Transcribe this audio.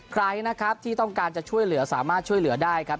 ใครนะครับที่ต้องการจะช่วยเหลือสามารถช่วยเหลือได้ครับ